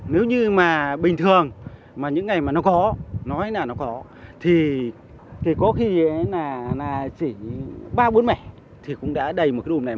nếu như mà bình thường mà những ngày mà nó có nói là nó có thì có khi ấy là chỉ ba bốn mẻ thì cũng đã đầy một cái lùm này